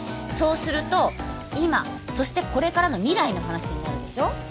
そうすると今そしてこれからの未来の話になるでしょ？